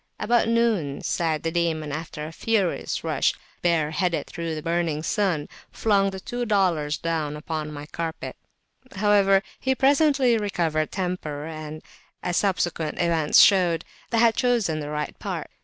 About noon Sa'ad the Demon, after a furious rush, bare headed, through the burning sun, flung the two dollars down upon my carpet: however, he presently recovered temper, and, as subsequent events showed, I had chosen the right part.